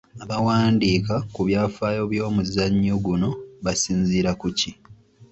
Abawandiika ku byafaayo by’omuzannyo guno basinziira ku ki?